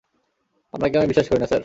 আপনাকে আমি বিশ্বাস করি না, স্যার।